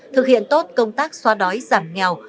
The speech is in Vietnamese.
thực hiện tốt công tác xóa đói giảm nghèo